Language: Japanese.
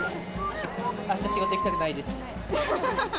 あした仕事行きたくないです。